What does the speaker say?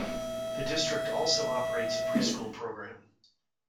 The District also operates a pre-school program.